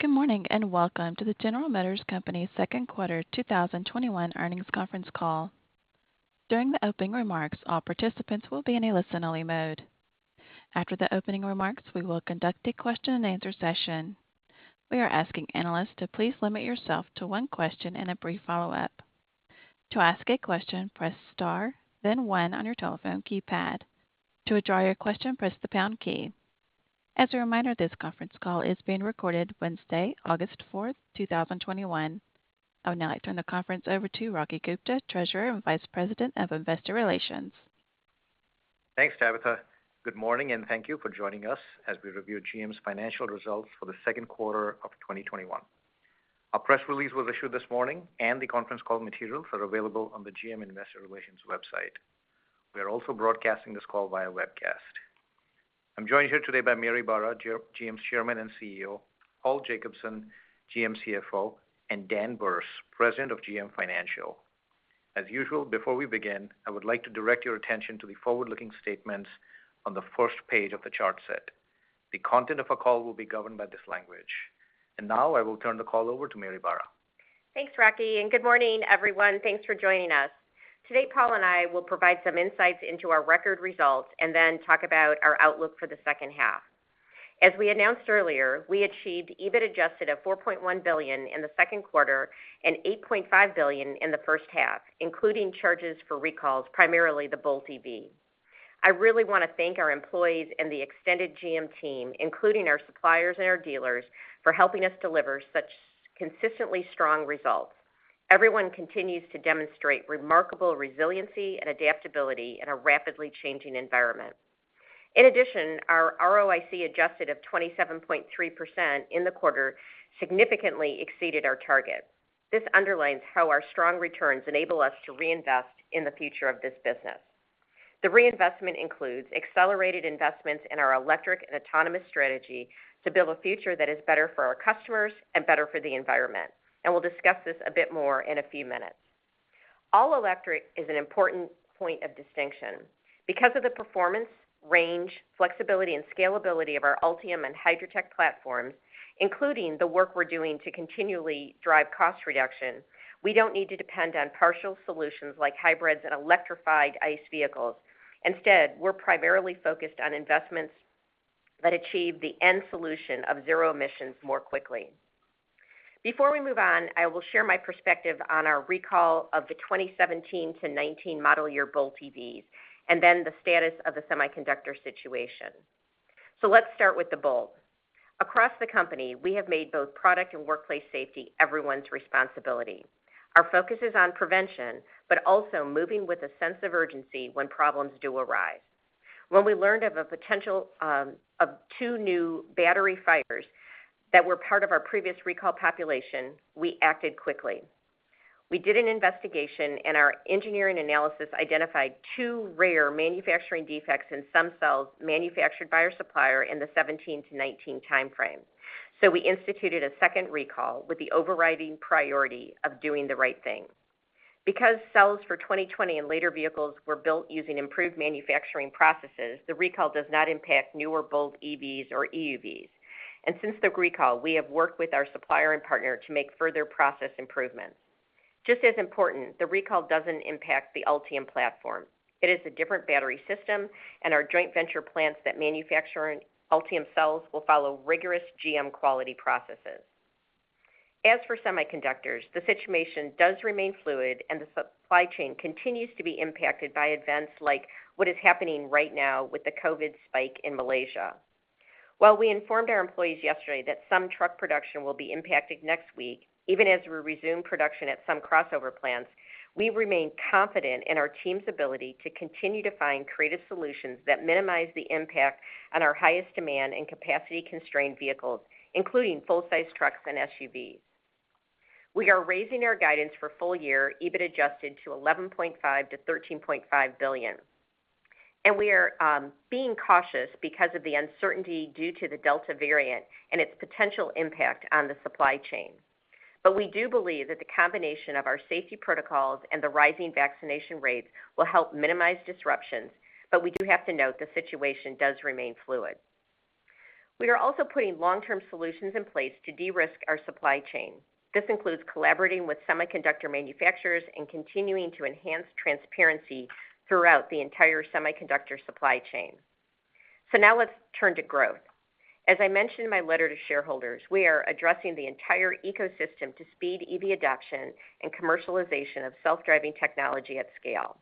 Good morning, welcome to the General Motors Company Second Quarter 2021 Earnings Conference Call. During the opening remarks, all participants will be in a listen-only mode. After the opening remarks, we will conduct a question and answer session. We are asking analysts to please limit yourself to one question and a brief follow-up. To ask a question, press star then one on your telephone keypad. To withdraw your question, press the pound key. As a reminder, this conference call is being recorded Wednesday, August 4th, 2021. I would now like to turn the conference over to Rocky Gupta, Treasurer and Vice President of Investor Relations. Thanks, Tabitha. Good morning, and thank you for joining us as we review GM's financial results for the second quarter of 2021. Our press release was issued this morning. The conference call materials are available on the GM Investor Relations website. We are also broadcasting this call via webcast. I'm joined here today by Mary Barra, GM's Chairman and Chief Executive Officer Paul Jacobson, GM Chief Financial Officer, and Dan Berce, President of GM Financial. As usual, before we begin, I would like to direct your attention to the forward-looking statements on the first page of the chart set. The content of our call will be governed by this language. Now I will turn the call over to Mary Barra. Thanks, Rocky. Good morning, everyone. Thanks for joining us. Today, Paul and I will provide some insights into our record results and then talk about our outlook for the second half. As we announced earlier, we achieved EBIT adjusted of $4.1 billion in the second quarter and $8.5 billion in the first half, including charges for recalls, primarily the Bolt EV. I really want to thank our employees and the extended GM team, including our suppliers and our dealers, for helping us deliver such consistently strong results. Everyone continues to demonstrate remarkable resiliency and adaptability in a rapidly changing environment. In addition, our ROIC adjusted of 27.3% in the quarter significantly exceeded our target. This underlines how our strong returns enable us to reinvest in the future of this business. The reinvestment includes accelerated investments in our electric and autonomous strategy to build a future that is better for our customers and better for the environment. We'll discuss this a bit more in a few minutes. All electric is an important point of distinction. Because of the performance, range, flexibility, and scalability of our Ultium and HYDROTEC platforms, including the work we're doing to continually drive cost reduction, we don't need to depend on partial solutions like hybrids and electrified ICE vehicles. Instead, we're primarily focused on investments that achieve the end solution of zero emissions more quickly. Before we move on, I will share my perspective on our recall of the 2017 to 2019 model year Bolt EVs, and then the status of the semiconductor situation. Let's start with the Bolt. Across the company, we have made both product and workplace safety everyone's responsibility. Our focus is on prevention, but also moving with a sense of urgency when problems do arise. When we learned of two new battery fires that were part of our previous recall population, we acted quickly. We did an investigation. Our engineering analysis identified two rare manufacturing defects in some cells manufactured by our supplier in the 2017 to 2019 timeframe. We instituted a second recall with the overriding priority of doing the right thing. Because cells for 2020 and later vehicles were built using improved manufacturing processes, the recall does not impact newer Bolt EVs or EUVs. Since the recall, we have worked with our supplier and partner to make further process improvements. Just as important, the recall doesn't impact the Ultium platform. It is a different battery system, and our joint venture plants that manufacture Ultium cells will follow rigorous GM quality processes. As for semiconductors, the situation does remain fluid, and the supply chain continues to be impacted by events like what is happening right now with the COVID spike in Malaysia. While we informed our employees yesterday that some truck production will be impacted next week, even as we resume production at some crossover plants, we remain confident in our team's ability to continue to find creative solutions that minimize the impact on our highest demand and capacity-constrained vehicles, including full-size trucks and SUVs. We are raising our guidance for full-year EBIT adjusted to $11.5 billion-$13.5 billion. We are being cautious because of the uncertainty due to the Delta variant and its potential impact on the supply chain. We do believe that the combination of our safety protocols and the rising vaccination rates will help minimize disruptions. We do have to note the situation does remain fluid. We are also putting long-term solutions in place to de-risk our supply chain. This includes collaborating with semiconductor manufacturers and continuing to enhance transparency throughout the entire semiconductor supply chain. Now let's turn to growth. As I mentioned in my letter to shareholders, we are addressing the entire ecosystem to speed EV adoption and commercialization of self-driving technology at scale.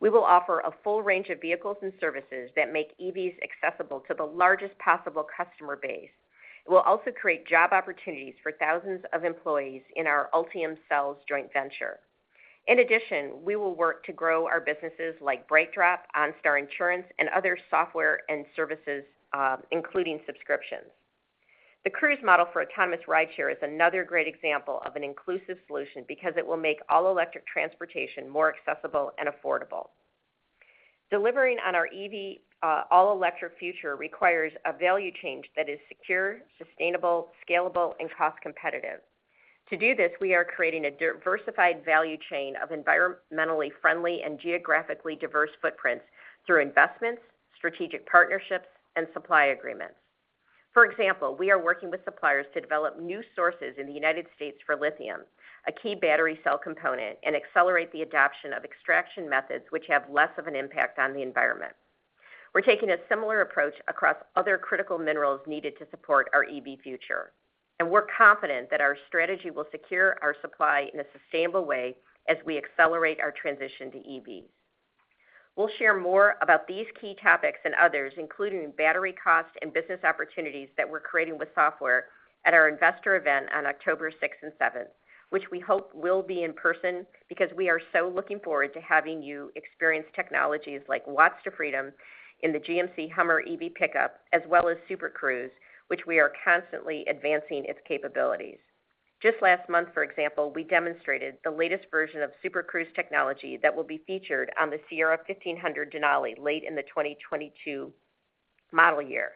We will offer a full range of vehicles and services that make EVs accessible to the largest possible customer base. It will also create job opportunities for thousands of employees in our Ultium Cells joint venture. In addition, we will work to grow our businesses like BrightDrop, OnStar Insurance, and other software and services, including subscriptions. The Cruise model for autonomous rideshare is another great example of an inclusive solution because it will make all-electric transportation more accessible and affordable. Delivering on our all-electric future requires a value chain that is secure, sustainable, scalable, and cost competitive. To do this, we are creating a diversified value chain of environmentally friendly and geographically diverse footprints through investments, strategic partnerships, and supply agreements. For example, we are working with suppliers to develop new sources in the U.S. for lithium, a key battery cell component, and accelerate the adoption of extraction methods which have less of an impact on the environment. We're taking a similar approach across other critical minerals needed to support our EV future, and we're confident that our strategy will secure our supply in a sustainable way as we accelerate our transition to EVs. We'll share more about these key topics and others, including battery cost and business opportunities that we're creating with software at our Investor Day on October 6th and 7th, which we hope will be in person, because we are so looking forward to having you experience technologies like Watts to Freedom in the GMC HUMMER EV pickup, as well as Super Cruise, which we are constantly advancing its capabilities. Just last month, for example, we demonstrated the latest version of Super Cruise technology that will be featured on the Sierra 1500 Denali late in the 2022 model year.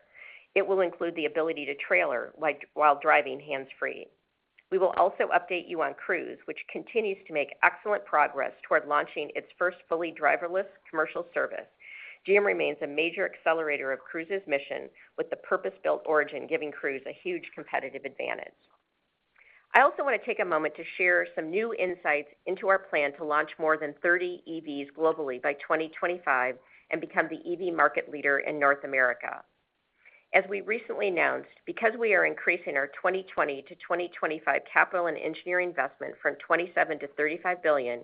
It will include the ability to trailer while driving hands-free. We will also update you on Cruise, which continues to make excellent progress toward launching its first fully driverless commercial service. GM remains a major accelerator of Cruise's mission, with the purpose-built Origin giving Cruise a huge competitive advantage. I also want to take a moment to share some new insights into our plan to launch more than 30 EVs globally by 2025 and become the EV market leader in North America. As we recently announced, because we are increasing our 2020 to 2025 capital and engineering investment from $27 billion to $35 billion,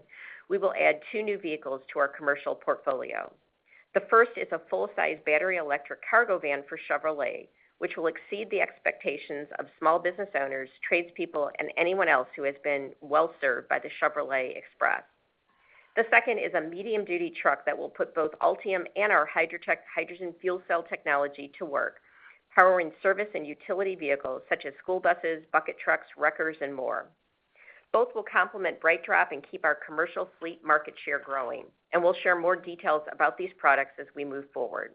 we will add two new vehicles to our commercial portfolio. The first is a full-size battery electric cargo van for Chevrolet, which will exceed the expectations of small business owners, tradespeople, and anyone else who has been well-served by the Chevrolet Express. The second is a medium-duty truck that will put both Ultium and our HYDROTEC hydrogen fuel cell technology to work, powering service and utility vehicles such as school buses, bucket trucks, wreckers, and more. Both will complement BrightDrop and keep our commercial fleet market share growing. We'll share more details about these products as we move forward.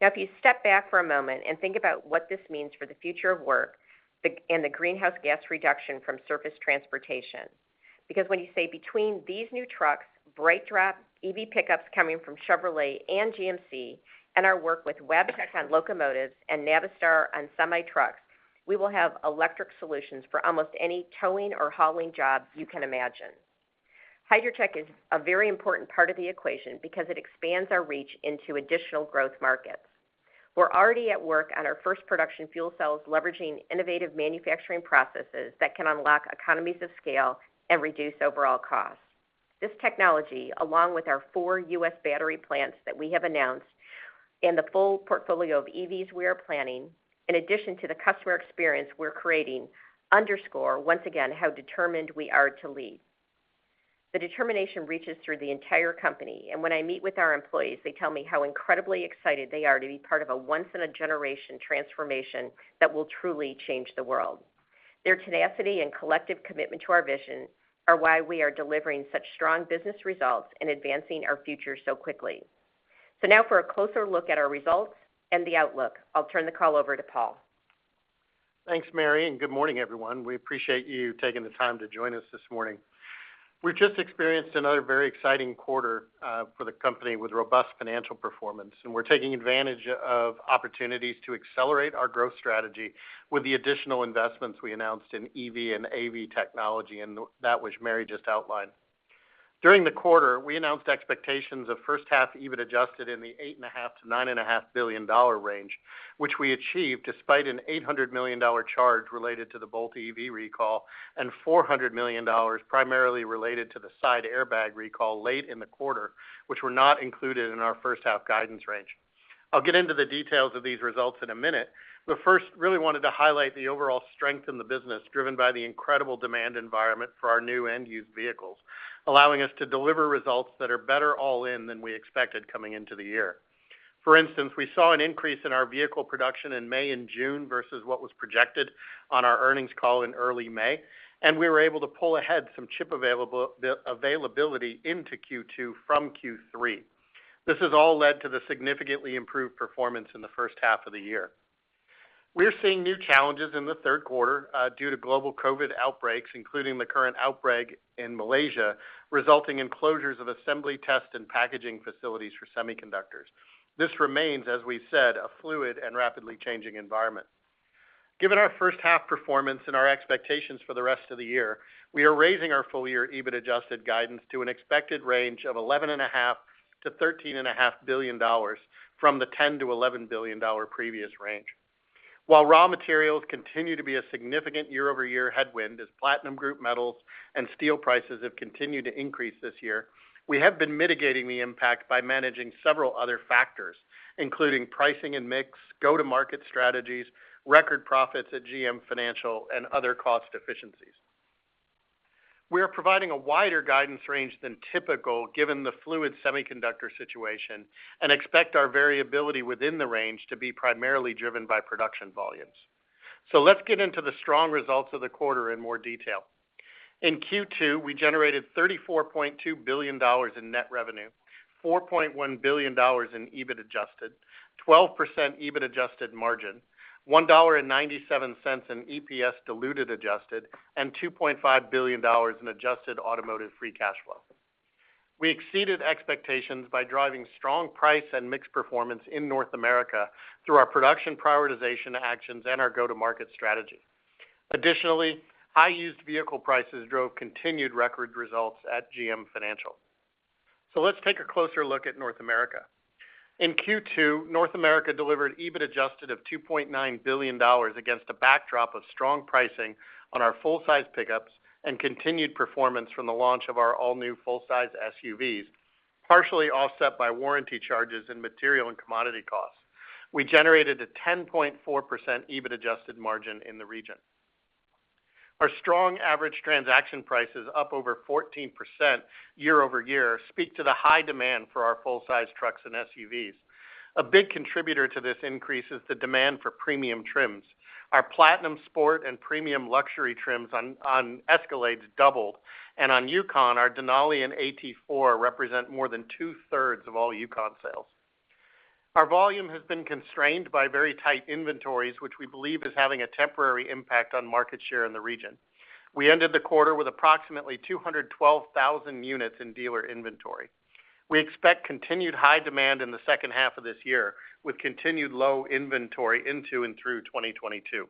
If you step back for a moment and think about what this means for the future of work and the greenhouse gas reduction from surface transportation. When you say between these new trucks, BrightDrop EV pickups coming from Chevrolet and GMC, and our work with Wabtec on locomotives and Navistar on semi trucks, we will have electric solutions for almost any towing or hauling job you can imagine. HYDROTEC is a very important part of the equation because it expands our reach into additional growth markets. We're already at work on our first production fuel cells, leveraging innovative manufacturing processes that can unlock economies of scale and reduce overall cost. This technology, along with our four U.S. battery plants that we have announced and the full portfolio of EVs we are planning, in addition to the customer experience we're creating, underscore once again, how determined we are to lead. The determination reaches through the entire company, and when I meet with our employees, they tell me how incredibly excited they are to be part of a once-in-a-generation transformation that will truly change the world. Their tenacity and collective commitment to our vision are why we are delivering such strong business results and advancing our future so quickly. Now for a closer look at our results and the outlook, I'll turn the call over to Paul. Thanks, Mary, and good morning, everyone. We appreciate you taking the time to join us this morning. We've just experienced another very exciting quarter for the company with robust financial performance, and we're taking advantage of opportunities to accelerate our growth strategy with the additional investments we announced in EV and AV technology, and that which Mary just outlined. During the quarter, we announced expectations of first half EBIT adjusted in the $8.5 billion-$9.5 billion range, which we achieved despite an $800 million charge related to the Bolt EV recall and $400 million primarily related to the side airbag recall late in the quarter, which were not included in our first half guidance range. I'll get into the details of these results in a minute, but first, really wanted to highlight the overall strength in the business, driven by the incredible demand environment for our new and used vehicles, allowing us to deliver results that are better all in than we expected coming into the year. For instance, we saw an increase in our vehicle production in May and June versus what was projected on our earnings call in early May, and we were able to pull ahead some chip availability into Q2 from Q3. This has all led to the significantly improved performance in the first half of the year. We're seeing new challenges in the third quarter due to global COVID outbreaks, including the current outbreak in Malaysia, resulting in closures of assembly, test, and packaging facilities for semiconductors. This remains, as we've said, a fluid and rapidly changing environment. Given our first half performance and our expectations for the rest of the year, we are raising our full-year EBIT adjusted guidance to an expected range of $11.5 billion-$13.5 billion from the $10 billion-$11 billion previous range. While raw materials continue to be a significant year-over-year headwind as platinum group metals and steel prices have continued to increase this year, we have been mitigating the impact by managing several other factors, including pricing and mix, go-to-market strategies, record profits at GM Financial, and other cost efficiencies. We are providing a wider guidance range than typical given the fluid semiconductor situation and expect our variability within the range to be primarily driven by production volumes. Let's get into the strong results of the quarter in more detail. In Q2, we generated $34.2 billion in net revenue, $4.1 billion in EBIT adjusted, 12% EBIT adjusted margin, $1.97 in EPS diluted adjusted, and $2.5 billion in adjusted automotive free cash flow. We exceeded expectations by driving strong price and mix performance in North America through our production prioritization actions and our go-to-market strategy. Additionally, high used vehicle prices drove continued record results at GM Financial. Let's take a closer look at North America. In Q2, North America delivered EBIT adjusted of $2.9 billion against a backdrop of strong pricing on our full-size pickups and continued performance from the launch of our all-new full-size SUVs, partially offset by warranty charges and material and commodity costs. We generated a 10.4% EBIT adjusted margin in the region. Our strong average transaction prices, up over 14% year-over-year, speak to the high demand for our full size trucks and SUVs. A big contributor to this increase is the demand for premium trims. Our Platinum Sport and Premium Luxury trims on Escalades doubled, on Yukon, our Denali and AT4 represent more than two-thirds of all Yukon sales. Our volume has been constrained by very tight inventories, which we believe is having a temporary impact on market share in the region. We ended the quarter with approximately 212,000 units in dealer inventory. We expect continued high demand in the second half of this year, with continued low inventory into and through 2022.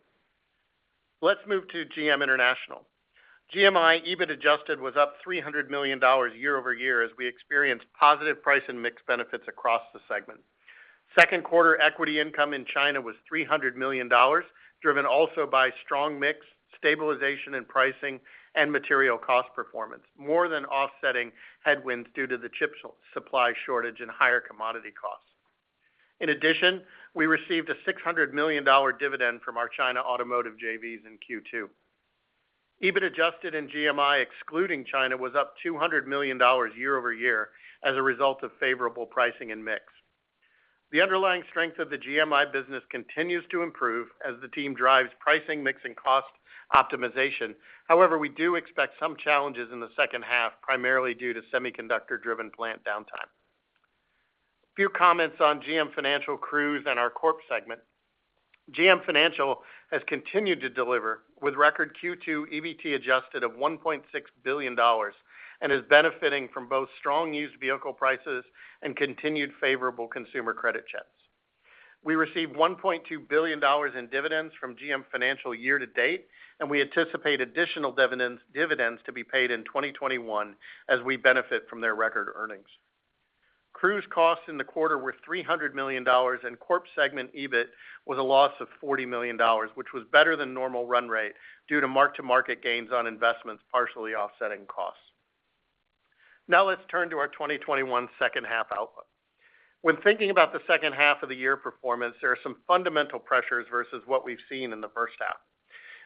Let's move to GM International. GMI, EBIT adjusted, was up $300 million year-over-year as we experienced positive price and mix benefits across the segment. Second quarter equity income in China was $300 million, driven also by strong mix, stabilization in pricing, and material cost performance, more than offsetting headwinds due to the chip supply shortage and higher commodity costs. In addition, we received a $600 million dividend from our China automotive JVs in Q2. EBIT adjusted in GMI, excluding China, was up $200 million year-over-year as a result of favorable pricing and mix. The underlying strength of the GMI business continues to improve as the team drives pricing, mix, and cost optimization. However, we do expect some challenges in the second half, primarily due to semiconductor-driven plant downtime. A few comments on GM Financial, Cruise, and our Corp segment. GM Financial has continued to deliver with record Q2 EBIT adjusted of $1.6 billion, and is benefiting from both strong used vehicle prices and continued favorable consumer credit checks. We received $1.2 billion in dividends from GM Financial year to date, and we anticipate additional dividends to be paid in 2021 as we benefit from their record earnings. Cruise costs in the quarter were $300 million, and Corp segment EBIT was a loss of $40 million, which was better than normal run rate due to mark-to-market gains on investments partially offsetting costs. Let's turn to our 2021 second half outlook. When thinking about the second half of the year performance, there are some fundamental pressures versus what we've seen in the first half.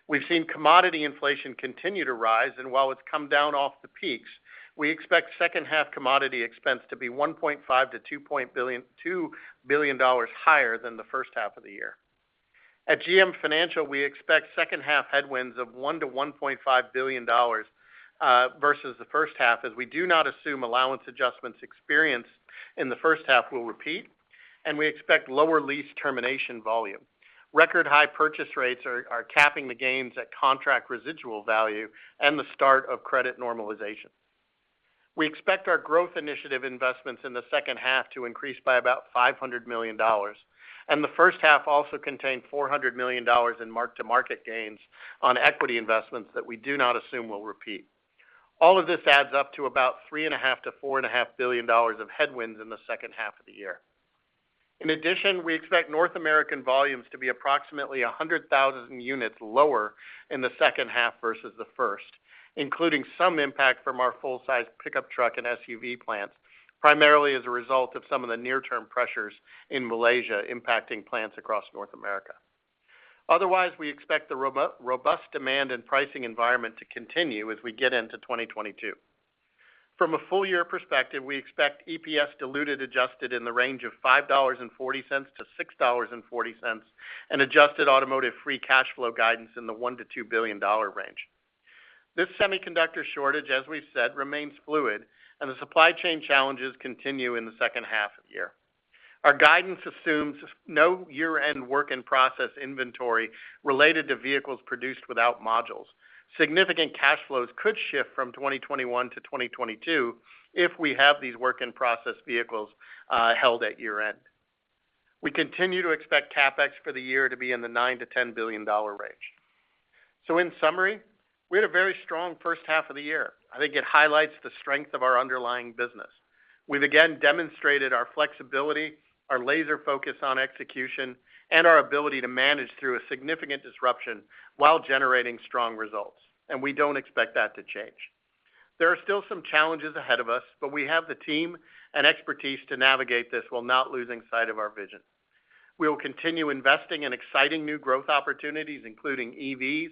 We've seen commodity inflation continue to rise, and while it's come down off the peaks, we expect second half commodity expense to be $1.5 billion-$2 billion higher than the first half of the year. At GM Financial, we expect second half headwinds of $1 billion-$1.5 billion versus the first half, as we do not assume allowance adjustments experienced in the first half will repeat, and we expect lower lease termination volume. Record high purchase rates are capping the gains at contract residual value and the start of credit normalization. We expect our growth initiative investments in the second half to increase by about $500 million. The first half also contained $400 million in mark-to-market gains on equity investments that we do not assume will repeat. All of this adds up to about $3.5 billion-$4.5 billion of headwinds in the second half of the year. In addition, we expect North American volumes to be approximately 100,000 units lower in the second half versus the first, including some impact from our full size pickup truck and SUV plants, primarily as a result of some of the near-term pressures in Malaysia impacting plants across North America. Otherwise, we expect the robust demand and pricing environment to continue as we get into 2022. From a full year perspective, we expect EPS diluted adjusted in the range of $5.40-$6.40, and adjusted automotive free cash flow guidance in the $1 billion-$2 billion range. This semiconductor shortage, as we've said, remains fluid, and the supply chain challenges continue in the second half of the year. Our guidance assumes no year-end work in process inventory related to vehicles produced without modules. Significant cash flows could shift from 2021-2022 if we have these work in process vehicles held at year-end. We continue to expect CapEx for the year to be in the $9 billion-$10 billion range. In summary, we had a very strong first half of the year. I think it highlights the strength of our underlying business. We've again demonstrated our flexibility, our laser focus on execution, and our ability to manage through a significant disruption while generating strong results, and we don't expect that to change. There are still some challenges ahead of us, but we have the team and expertise to navigate this while not losing sight of our vision. We will continue investing in exciting new growth opportunities, including EVs,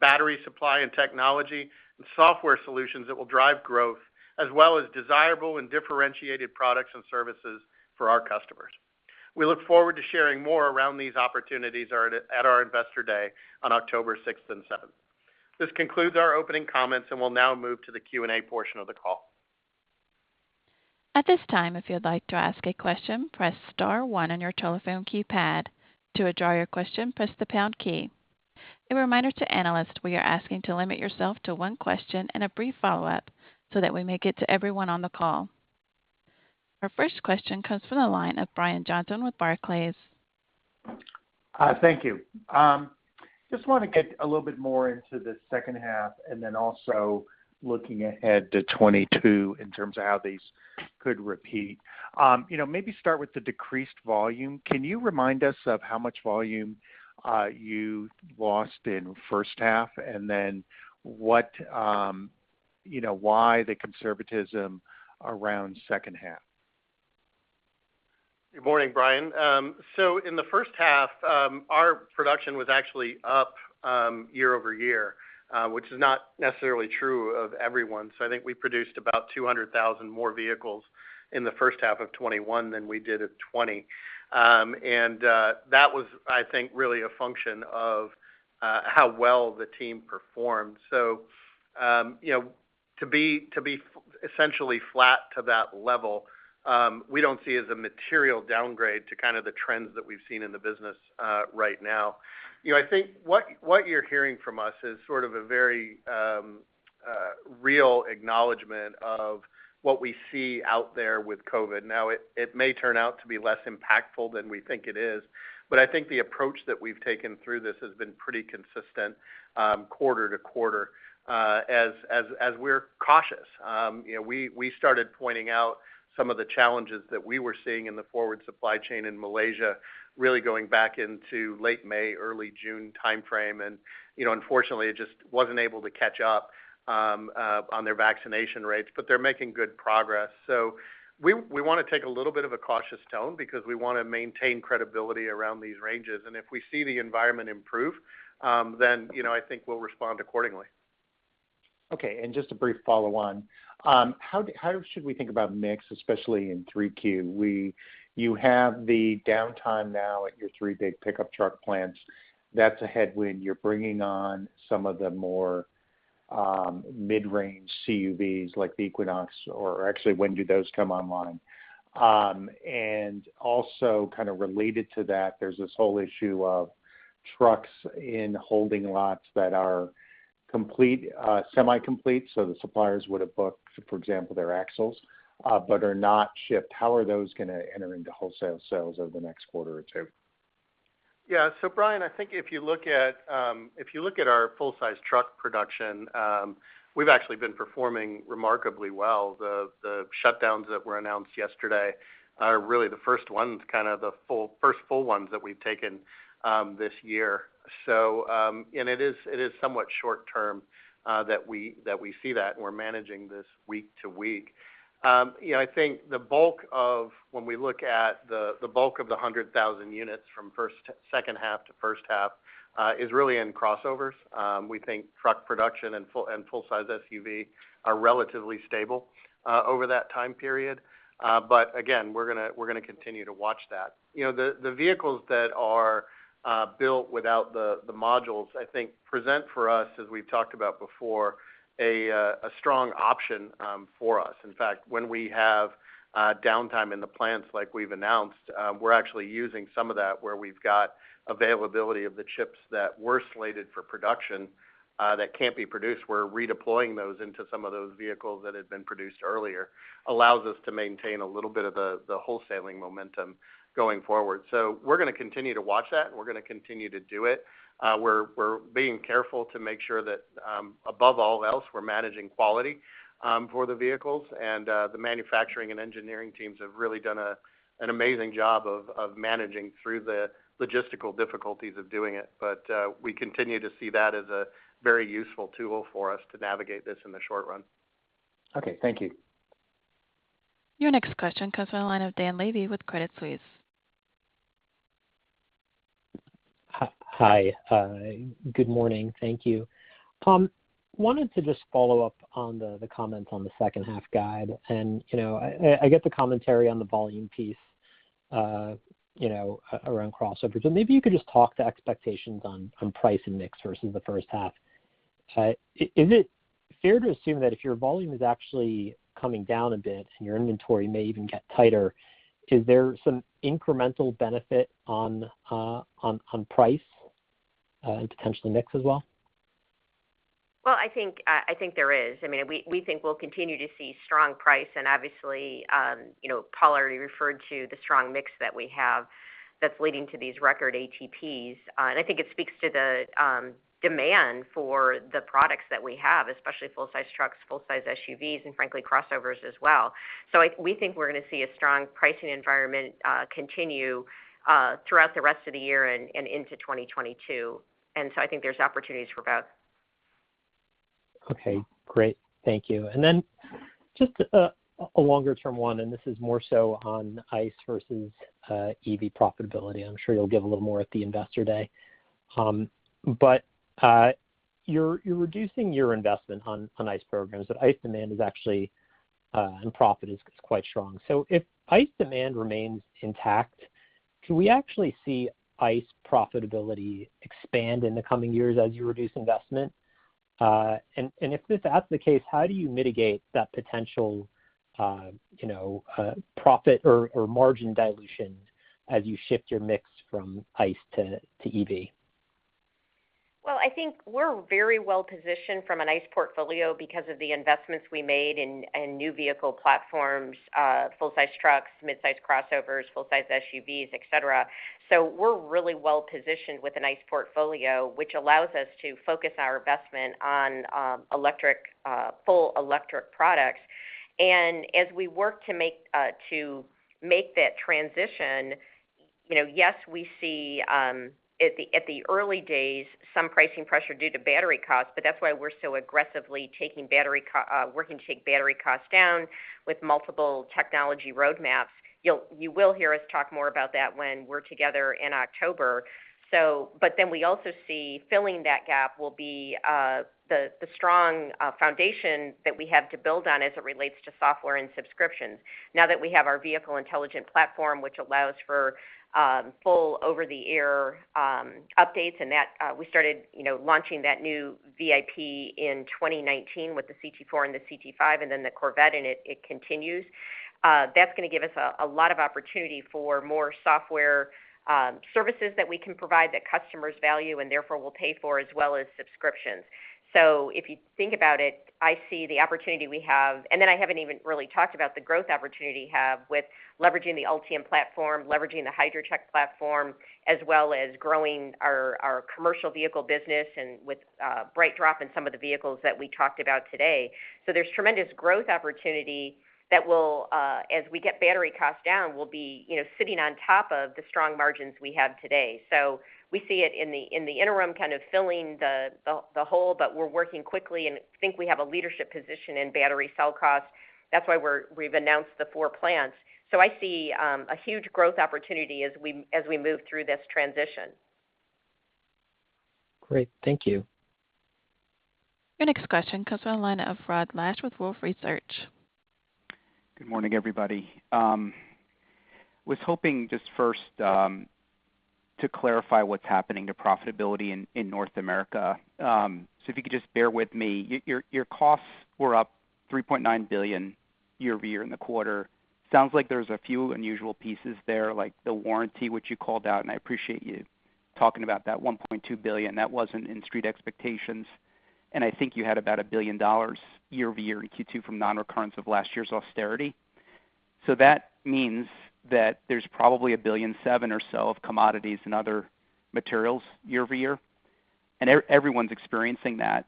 battery supply and technology, and software solutions that will drive growth, as well as desirable and differentiated products and services for our customers. We look forward to sharing more around these opportunities at our Investor Day on October 6th and 7th. This concludes our opening comments, and we'll now move to the Q&A portion of the call. A reminder to analysts, we are asking to limit yourself to one question and a brief follow-up so that we make it to everyone on the call. Our first question comes from the line of Brian Johnson with Barclays. Hi, thank you. Just want to get a little bit more into the second half, and then also looking ahead to 2022 in terms of how these could repeat. Maybe start with the decreased volume. Can you remind us of how much volume you lost in the first half, and then why the conservatism around the second half? Good morning, Brian. In the first half, our production was actually up year-over-year, which is not necessarily true of everyone. I think we produced about 200,000 more vehicles in the first half of 2021 than we did in 2020. That was, I think, really a function of how well the team performed. To be essentially flat to that level, we don't see as a material downgrade to kind of the trends that we've seen in the business right now. I think what you're hearing from us is sort of a very real acknowledgement of what we see out there with COVID. It may turn out to be less impactful than we think it is, but I think the approach that we've taken through this has been pretty consistent quarter-to-quarter as we're cautious. We started pointing out some of the challenges that we were seeing in the forward supply chain in Malaysia, really going back into late May, early June timeframe. Unfortunately, it just wasn't able to catch up on their vaccination rates, but they're making good progress. We want to take a little bit of a cautious tone because we want to maintain credibility around these ranges. If we see the environment improve, then I think we'll respond accordingly. Okay, just a brief follow on. How should we think about mix, especially in 3Q? You have the downtime now at your three big pickup truck plants. That's a headwind. You're bringing on some of the more mid-range CUVs like the Equinox, or actually, when do those come online? Also kind of related to that, there's this whole issue of trucks in holding lots that are semi-complete, so the suppliers would've booked, for example, their axles, but are not shipped. How are those going to enter into wholesale sales over the next quarter or two? Yeah. Brian, I think if you look at our full-size truck production, we've actually been performing remarkably well. The shutdowns that were announced yesterday are really the first full ones that we've taken this year. It is somewhat short term that we see that, and we're managing this week to week. I think when we look at the bulk of the 100,000 units from second half to first half is really in crossovers. We think truck production and full-size SUV are relatively stable over that time period. Again, we're going to continue to watch that. The vehicles that are built without the modules, I think, present for us, as we've talked about before, a strong option for us. In fact, when we have downtime in the plants like we've announced, we're actually using some of that where we've got availability of the chips that were slated for production that can't be produced. We're redeploying those into some of those vehicles that had been produced earlier, allows us to maintain a little bit of the wholesaling momentum going forward. We're going to continue to watch that, and we're going to continue to do it. We're being careful to make sure that, above all else, we're managing quality for the vehicles, and the manufacturing and engineering teams have really done an amazing job of managing through the logistical difficulties of doing it. We continue to see that as a very useful tool for us to navigate this in the short run. Okay. Thank you. Your next question comes on the line of Dan Levy with Credit Suisse. Hi. Good morning. Thank you. Paul, I wanted to just follow up on the comments on the second half guide. I get the commentary on the volume piece around crossovers, and maybe you could just talk to expectations on price and mix versus the first half. Is it fair to assume that if your volume is actually coming down a bit and your inventory may even get tighter, is there some incremental benefit on price and potentially mix as well? Well, I think there is. We think we'll continue to see strong price and obviously, Paul already referred to the strong mix that we have that's leading to these record ATPs. I think it speaks to the demand for the products that we have, especially full-size trucks, full-size SUVs, and frankly, crossovers as well. We think we're going to see a strong pricing environment continue throughout the rest of the year and into 2022. I think there's opportunities for both. Okay, great. Thank you. Just a longer term one, this is more so on ICE versus EV profitability. I'm sure you'll give a little more at the Investor Day. You're reducing your investment on ICE programs, but ICE demand is actually, and profit is quite strong. If ICE demand remains intact, can we actually see ICE profitability expand in the coming years as you reduce investment? If that's the case, how do you mitigate that potential profit or margin dilution as you shift your mix from ICE to EV? Well, I think we're very well-positioned from an ICE portfolio because of the investments we made in new vehicle platforms, full-size trucks, mid-size crossovers, full-size SUVs, et cetera. We're really well-positioned with an ICE portfolio, which allows us to focus our investment on full electric products. As we work to make that transition, yes, we see, at the early days, some pricing pressure due to battery costs, but that's why we're so aggressively working to take battery costs down with multiple technology roadmaps. You will hear us talk more about that when we're together in October. We also see filling that gap will be the strong foundation that we have to build on as it relates to software and subscriptions. We have our Vehicle Intelligence Platform, which allows for full over-the-air updates, and we started launching that new VIP in 2019 with the CT4 and the CT5 and then the Corvette, and it continues. That's going to give us a lot of opportunity for more software services that we can provide that customers value and therefore will pay for, as well as subscriptions. If you think about it, I see the opportunity we have, and then I haven't even really talked about the growth opportunity we have with leveraging the Ultium platform, leveraging the HYDROTEC platform, as well as growing our commercial vehicle business, and with BrightDrop and some of the vehicles that we talked about today. There's tremendous growth opportunity that will, as we get battery costs down, will be sitting on top of the strong margins we have today. We see it in the interim kind of filling the hole, but we're working quickly, and I think we have a leadership position in battery cell costs. That's why we've announced the four plans. I see a huge growth opportunity as we move through this transition. Great. Thank you. Your next question comes from the line of Rod Lache with Wolfe Research. Good morning, everybody. Was hoping just first to clarify what's happening to profitability in North America. If you could just bear with me, your costs were up $3.9 billion year-over-year in the quarter. Sounds like there's a few unusual pieces there, like the warranty, which you called out, and I appreciate you talking about that $1.2 billion. That wasn't in street expectations. I think you had about $1 billion year-over-year in Q2 from non-recurrence of last year's austerity. That means that there's probably $1.7 billion or so of commodities and other materials year-over-year, and everyone's experiencing that.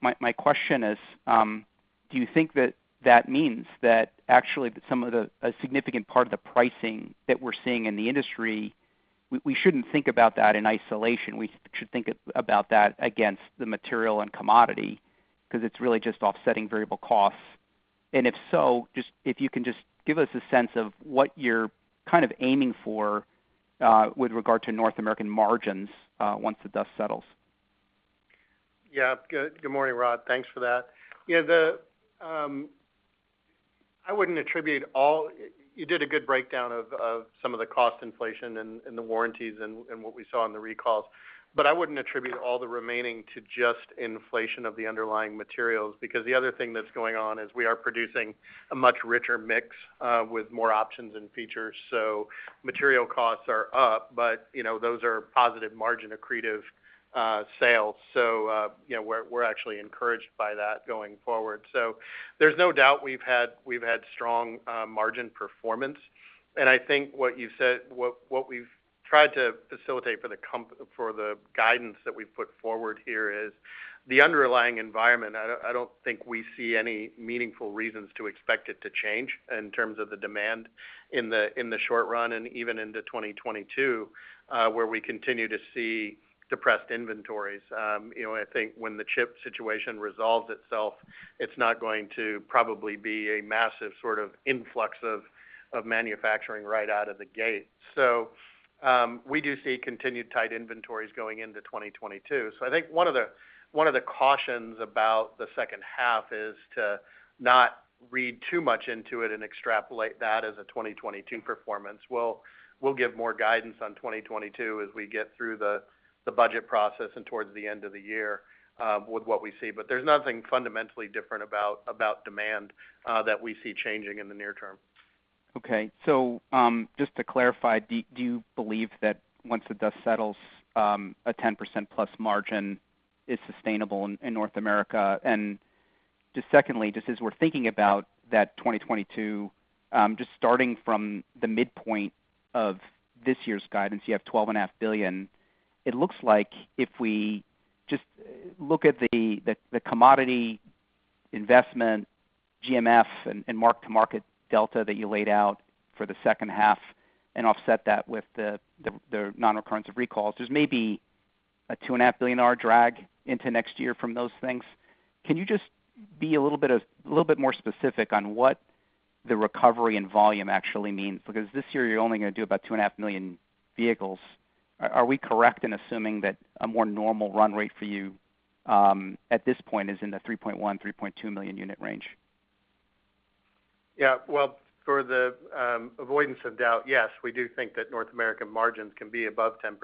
My question is, do you think that that means that actually a significant part of the pricing that we're seeing in the industry, we shouldn't think about that in isolation. We should think about that against the material and commodity because it's really just offsetting variable costs. If so, if you can just give us a sense of what you're kind of aiming for with regard to North American margins once the dust settles. Yeah. Good morning, Rod Lache. Thanks for that. You did a good breakdown of some of the cost inflation and the warranties and what we saw on the recalls. I wouldn't attribute all the remaining to just inflation of the underlying materials, because the other thing that's going on is we are producing a much richer mix with more options and features. Material costs are up, but those are positive margin accretive sales. We're actually encouraged by that going forward. There's no doubt we've had strong margin performance, and I think what you said, what we've tried to facilitate for the guidance that we've put forward here is the underlying environment, I don't think we see any meaningful reasons to expect it to change in terms of the demand in the short run and even into 2022, where we continue to see depressed inventories. I think when the chip situation resolves itself, it's not going to probably be a massive sort of influx of manufacturing right out of the gate. We do see continued tight inventories going into 2022. I think one of the cautions about the second half is to not read too much into it and extrapolate that as a 2022 performance. We'll give more guidance on 2022 as we get through the budget process and towards the end of the year with what we see. There's nothing fundamentally different about demand that we see changing in the near term. Okay. Just to clarify, do you believe that once the dust settles, a +10% margin is sustainable in North America? Just secondly, just as we're thinking about that 2022, just starting from the midpoint of this year's guidance, you have $12.5 billion. It looks like if we just look at the commodity investment GMF and mark-to-market delta that you laid out for the second half and offset that with the non-recurrence of recalls, there's maybe a $2.5 billion drag into next year from those things. Can you just be a little bit more specific on what the recovery in volume actually means, because this year you're only going to do about 2.5 million vehicles? Are we correct in assuming that a more normal run rate for you at this point is in the 3.1 million-3.2 million unit range? Yeah. Well, for the avoidance of doubt, yes, we do think that North American margins can be above 10%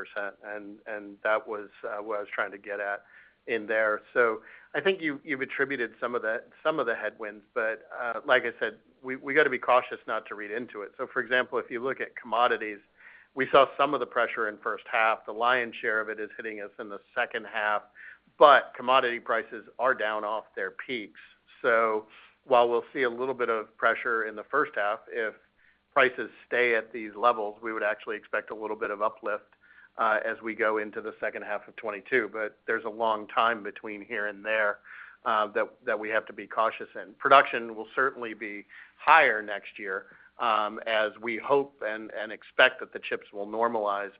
and that was what I was trying to get at in there. I think you've attributed some of the headwinds, but, like I said, we got to be cautious not to read into it. For example, if you look at commodities, we saw some of the pressure in first half. The lion's share of it is hitting us in the second half, but commodity prices are down off their peaks. While we'll see a little bit of pressure in the first half, if prices stay at these levels, we would actually expect a little bit of uplift as we go into the second half of 2022. There's a long time between here and there that we have to be cautious in. Production will certainly be higher next year, as we hope and expect that the chips will normalize.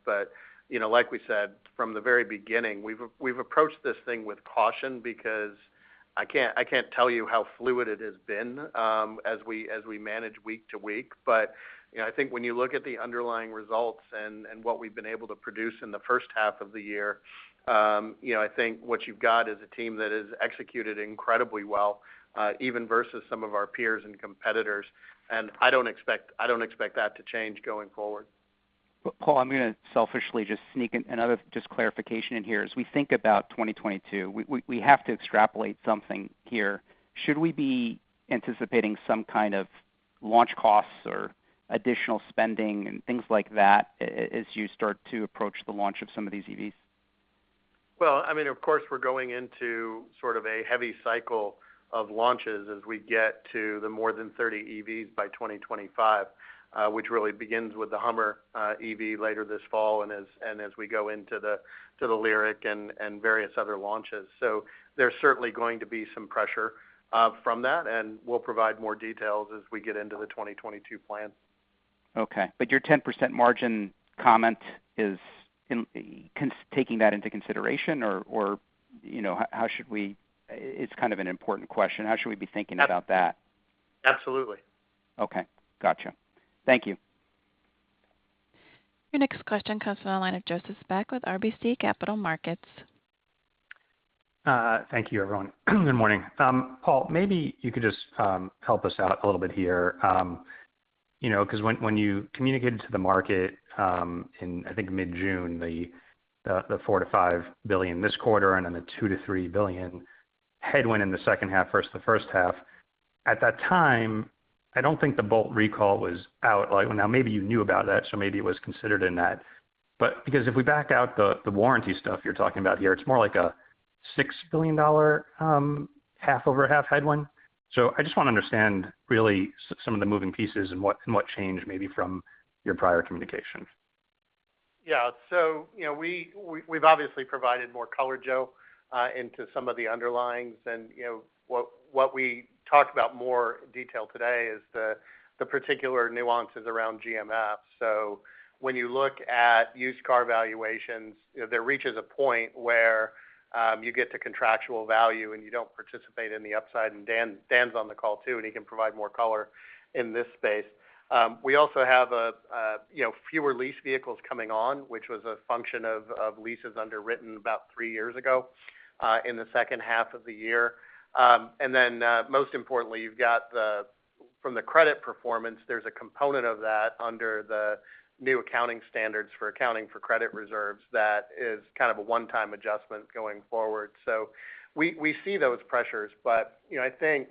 Like we said, from the very beginning, we've approached this thing with caution because I can't tell you how fluid it has been as we manage week to week. I think when you look at the underlying results and what we've been able to produce in the first half of the year, I think what you've got is a team that has executed incredibly well, even versus some of our peers and competitors, and I don't expect that to change going forward. Paul, I'm going to selfishly just sneak another just clarification in here. As we think about 2022, we have to extrapolate something here. Should we be anticipating some kind of launch costs or additional spending and things like that as you start to approach the launch of some of these EVs? Well, of course we're going into sort of a heavy cycle of launches as we get to the more than 30 EVs by 2025, which really begins with the Hummer EV later this fall, and as we go into the LYRIQ and various other launches. There's certainly going to be some pressure from that, and we'll provide more details as we get into the 2022 plan. Okay. Your 10% margin comment is taking that into consideration. It's kind of an important question. How should we be thinking about that? Absolutely. Okay. Got you. Thank you. Your next question comes from the line of Joseph Spak with RBC Capital Markets. Thank you, everyone. Good morning. Paul, maybe you could just help us out a little bit here. Because when you communicated to the market in, I think mid-June, the $4 billion-$5 billion this quarter, and then the $2 billion-$3 billion headwind in the second half versus the first half. At that time, I don't think the Bolt EV recall was out. Well, now maybe you knew about that, so maybe it was considered in that. Because if we back out the warranty stuff you're talking about here, it's more like a $6 billion half-over-half headwind. I just want to understand really some of the moving pieces and what changed maybe from your prior communication. We've obviously provided more color, Joe, into some of the underlyings and what we talked about more in detail today is the particular nuances around GMF. When you look at used car valuations, there reaches a point where you get to contractual value, and you don't participate in the upside. Dan's on the call, too, and he can provide more color in this space. We also have fewer leased vehicles coming on, which was a function of leases underwritten about three years ago, in the second half of the year. Most importantly, you've got from the credit performance, there's a component of that under the new accounting standards for accounting for credit reserves that is kind of a one-time adjustment going forward. We see those pressures, but I think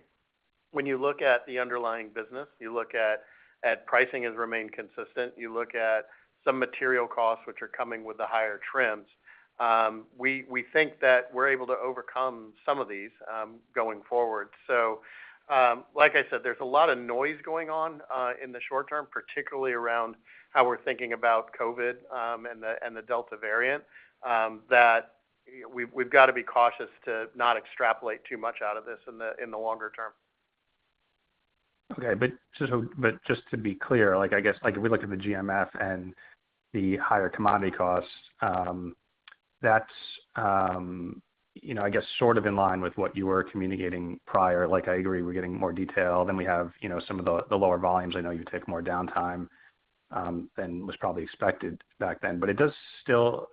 when you look at the underlying business, you look at pricing has remained consistent, you look at some material costs which are coming with the higher trims. We think that we're able to overcome some of these going forward. Like I said, there's a lot of noise going on in the short term, particularly around how we're thinking about COVID, and the Delta variant, that we've got to be cautious to not extrapolate too much out of this in the longer term. Okay. Just to be clear, I guess if we look at the GMF and the higher commodity costs, that's I guess sort of in line with what you were communicating prior. I agree, we're getting more detail. We have some of the lower volumes. I know you took more downtime than was probably expected back then. It does still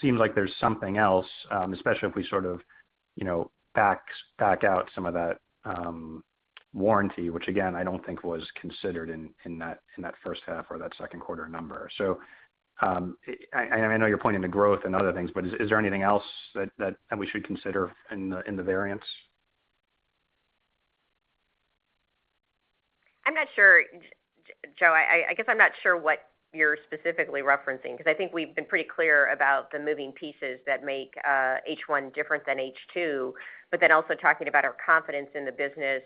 seem like there's something else, especially if we sort of back out some of that warranty, which again, I don't think was considered in that first half or that second quarter number. I know you're pointing to growth and other things, but is there anything else that we should consider in the variance? I'm not sure, Joe. I guess I'm not sure what you're specifically referencing. I think we've been pretty clear about the moving pieces that make H1 different than H2. Also talking about our confidence in the business,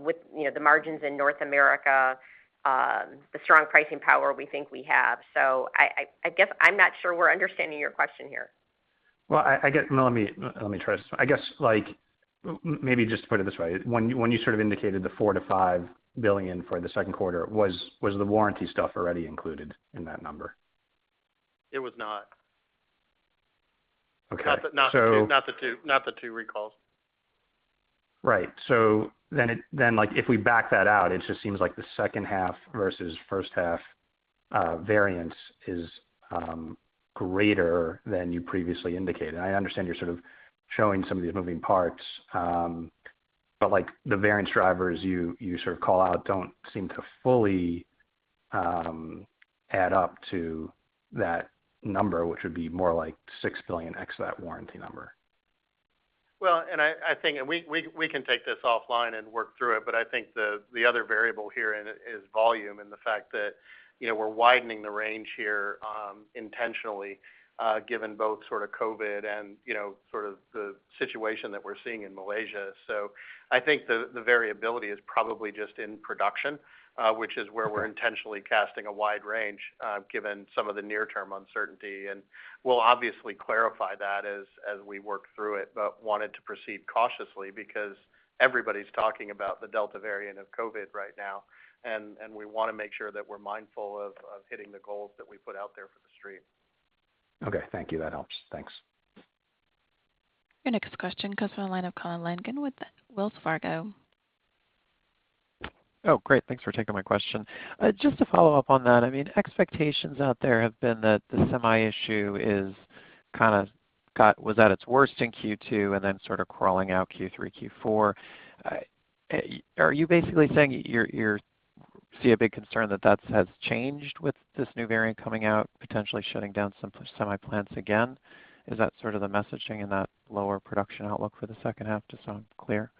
with the margins in North America, the strong pricing power we think we have. I guess I'm not sure we're understanding your question here. Well, let me try this. I guess maybe just to put it this way, when you sort of indicated the $4 billion-$5 billion for the second quarter, was the warranty stuff already included in that number? It was not. Okay. Not the two recalls. Right. If we back that out, it just seems like the second half versus first half variance is greater than you previously indicated. I understand you're sort of showing some of these moving parts, but the variance drivers you call out don't seem to fully add up to that number, which would be more like $6 billion ex that warranty number. I think we can take this offline and work through it, but I think the other variable here in it is volume and the fact that we're widening the range here intentionally, given both COVID and the situation that we're seeing in Malaysia. I think the variability is probably just in production, which is where we're intentionally casting a wide range, given some of the near-term uncertainty, we'll obviously clarify that as we work through it, but wanted to proceed cautiously because everybody's talking about the Delta variant of COVID right now, and we want to make sure that we're mindful of hitting the goals that we put out there for the Street. Okay. Thank you. That helps. Thanks. Your next question comes from the line of Colin Langan with Wells Fargo. Oh, great, thanks for taking my question. Just to follow up on that, expectations out there have been that the semi issue was at its worst in Q2 and then sort of crawling out Q3, Q4. Are you basically saying you see a big concern that that has changed with this new variant coming out, potentially shutting down some semi plants again? Is that sort of the messaging in that lower production outlook for the second half to sound clear?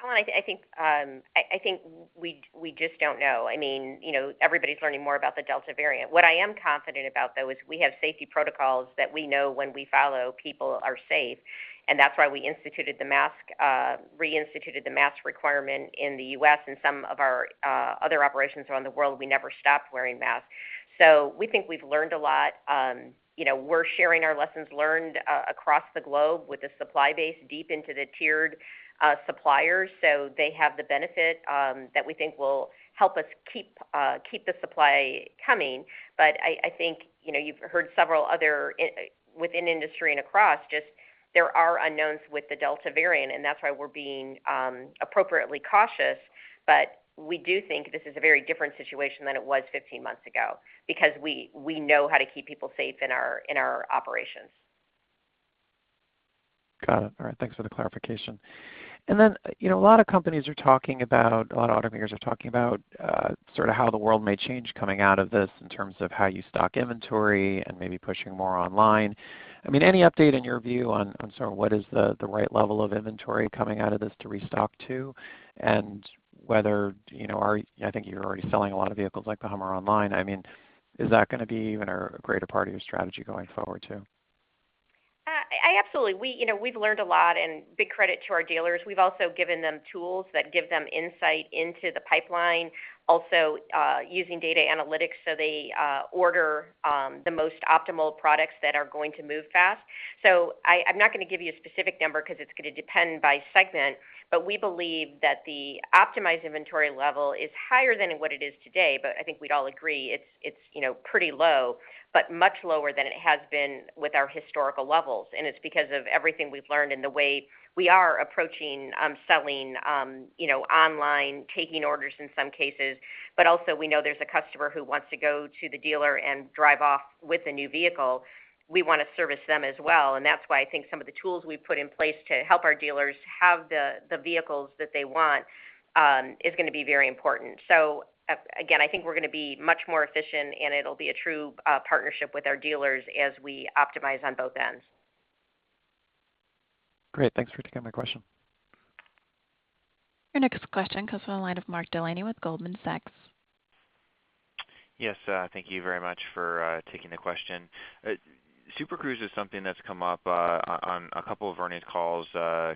Colin, I think we just don't know. Everybody's learning more about the Delta variant. What I am confident about, though, is we have safety protocols that we know when we follow, people are safe, and that's why we reinstituted the mask requirement in the U.S. In some of our other operations around the world, we never stopped wearing masks. We think we've learned a lot. We're sharing our lessons learned across the globe with the supply base deep into the tiered suppliers. They have the benefit that we think will help us keep the supply coming. I think you've heard several other within industry and across just there are unknowns with the Delta variant, and that's why we're being appropriately cautious. We do think this is a very different situation than it was 15 months ago because we know how to keep people safe in our operations. Got it. All right. Thanks for the clarification. A lot of automakers are talking about how the world may change coming out of this in terms of how you stock inventory and maybe pushing more online. Any update in your view on sort of what is the right level of inventory coming out of this to restock to, and whether, I think you're already selling a lot of vehicles like the Hummer online. Is that going to be even a greater part of your strategy going forward, too? Absolutely. We've learned a lot, and big credit to our dealers. We've also given them tools that give them insight into the pipeline, also using data analytics so they order the most optimal products that are going to move fast. I'm not going to give you a specific number because it's going to depend by segment, but we believe that the optimized inventory level is higher than what it is today, but I think we'd all agree it's pretty low, but much lower than it has been with our historical levels, and it's because of everything we've learned and the way we are approaching selling online, taking orders in some cases. Also we know there's a customer who wants to go to the dealer and drive off with a new vehicle. We want to service them as well, that's why I think some of the tools we've put in place to help our dealers have the vehicles that they want is going to be very important. Again, I think we're going to be much more efficient, and it'll be a true partnership with our dealers as we optimize on both ends. Great. Thanks for taking my question. Your next question comes from the line of Mark Delaney with Goldman Sachs. Yes. Thank you very much for taking the question. Super Cruise is something that's come up on a couple of earnings calls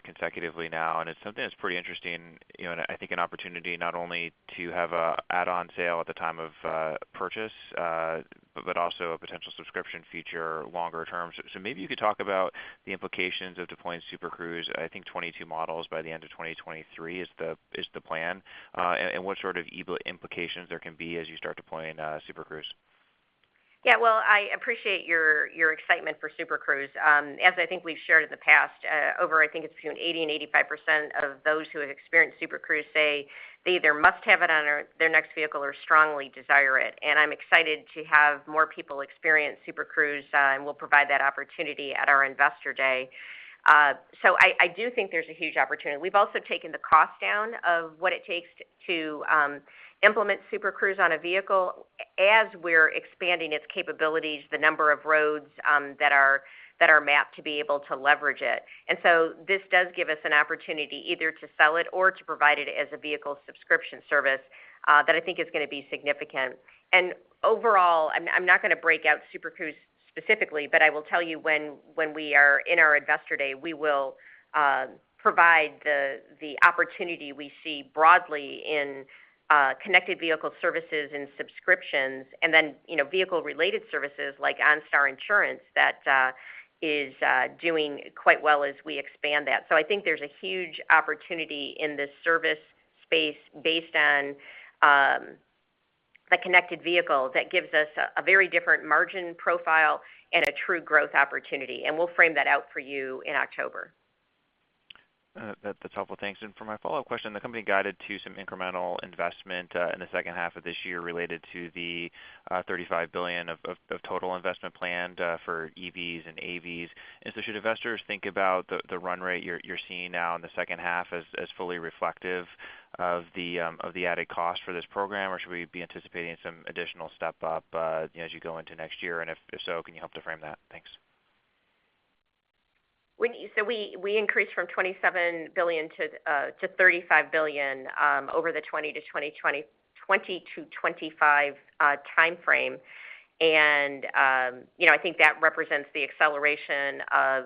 consecutively now, and it's something that's pretty interesting, and I think an opportunity not only to have an add-on sale at the time of purchase, but also a potential subscription feature longer term. Maybe you could talk about the implications of deploying Super Cruise, I think 2022 models by the end of 2023 is the plan, and what sort of implications there can be as you start deploying Super Cruise. Yeah, well, I appreciate your excitement for Super Cruise. As I think we've shared in the past, over I think it's between 80% and 85% of those who have experienced Super Cruise say they either must have it on their next vehicle or strongly desire it. I'm excited to have more people experience Super Cruise. We'll provide that opportunity at our Investor Day. I do think there's a huge opportunity. We've also taken the cost down of what it takes to implement Super Cruise on a vehicle as we're expanding its capabilities, the number of roads that are mapped to be able to leverage it. This does give us an opportunity either to sell it or to provide it as a vehicle subscription service that I think is going to be significant. Overall, I'm not going to break out Super Cruise specifically, but I will tell you when we are in our Investor Day, we will provide the opportunity we see broadly in connected vehicle services and subscriptions, then vehicle-related services like OnStar Insurance that is doing quite well as we expand that. I think there's a huge opportunity in this service space based on the connected vehicle that gives us a very different margin profile and a true growth opportunity, and we'll frame that out for you in October. That's helpful. Thanks. For my follow-up question, the company guided to some incremental investment in the second half of this year related to the $35 billion of total investment planned for EVs and AVs. Should investors think about the run rate you're seeing now in the second half as fully reflective of the added cost for this program, or should we be anticipating some additional step-up as you go into next year? If so, can you help to frame that? Thanks. We increased from $27 billion-$35 billion over the 2020-2025 timeframe. I think that represents the acceleration of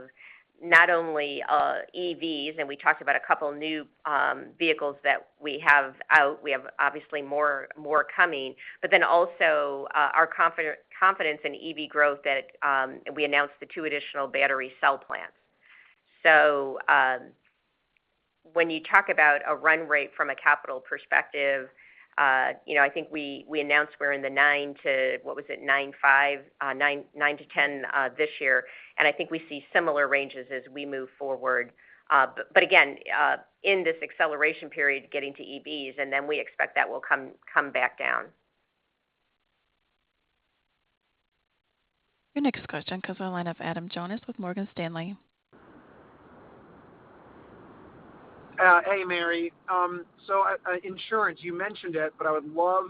not only EVs, and we talked about a couple new vehicles that we have out. We have obviously more coming, but then also our confidence in EV growth that we announced the two additional battery cell plants. When you talk about a run rate from a capital perspective, I think we announced we're in the $9-$10 this year, and I think we see similar ranges as we move forward. Again, in this acceleration period, getting to EVs, and then we expect that will come back down. Your next question comes from the line of Adam Jonas with Morgan Stanley. Hey, Mary. Insurance, you mentioned it, but I would love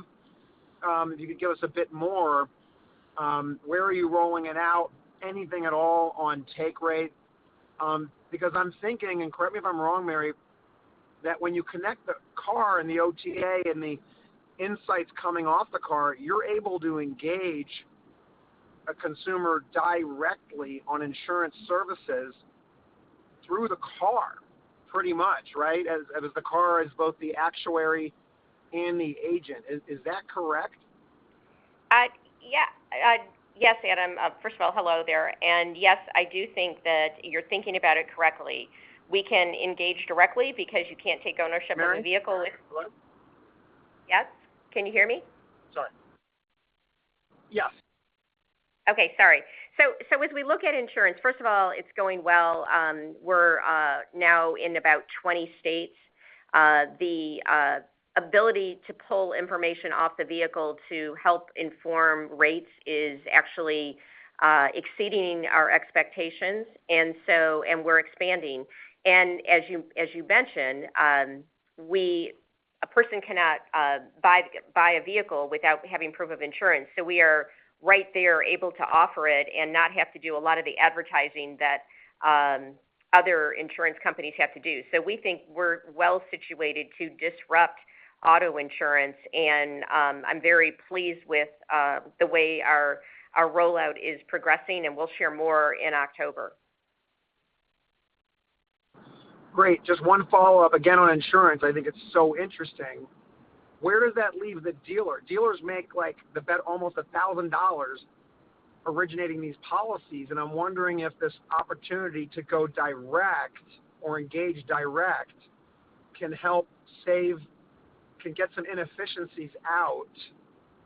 if you could give us a bit more. Where are you rolling it out? Anything at all on take rate? I'm thinking, and correct me if I'm wrong, Mary, that when you connect the car and the OTA and the insights coming off the car, you're able to engage a consumer directly on insurance services through the car pretty much, right? As the car is both the actuary and the agent. Is that correct? Yes, Adam. First of all, hello there. Yes, I do think that you're thinking about it correctly. We can engage directly because you can't take ownership of the vehicle. Mary, hello? Yes. Can you hear me? Sorry. Yes. Okay. Sorry. As we look at insurance, first of all, it's going well. We're now in about 20 states. The ability to pull information off the vehicle to help inform rates is actually exceeding our expectations, and we're expanding. As you mentioned, a person cannot buy a vehicle without having proof of insurance. We are right there able to offer it and not have to do a lot of the advertising that other insurance companies have to do. We think we're well-situated to disrupt auto insurance, and I'm very pleased with the way our rollout is progressing, and we'll share more in October. Great. Just one follow-up, again, on insurance. I think it's so interesting. Where does that leave the dealer? Dealers make almost $1,000 originating these policies, and I'm wondering if this opportunity to go direct or engage direct can help save, can get some inefficiencies out